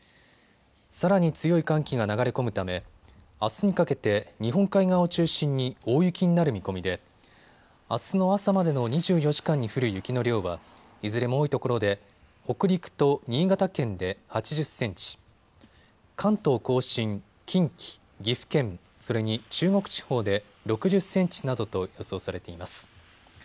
さらに強い寒気が流れ込むためあすにかけて日本海側を中心に大雪になる見込みであすの朝までの２４時間に降る雪の量はいずれも多いところで北陸と新潟県で８０センチ、関東甲信、近畿、岐阜県、それに中国地方で６０センチなどと予想されています。